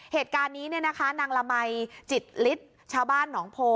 เหตุการณ์นี้เนี่ยนะคะนางละมัยจิตฤทธิ์ชาวบ้านหนองโพ